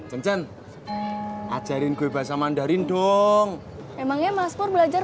emang dia yang nggak rajin